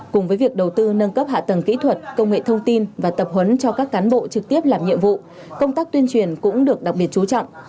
cùng với việc đầu tư nâng cấp hạ tầng kỹ thuật công nghệ thông tin và tập huấn cho các cán bộ trực tiếp làm nhiệm vụ công tác tuyên truyền cũng được đặc biệt chú trọng